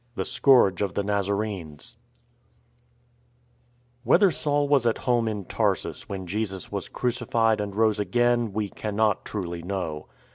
VI THE SCOURGE OF THE NAZARENES WHETHER Saul was at home in Tarsus when Jesus was crucified and rose again we can not truly know.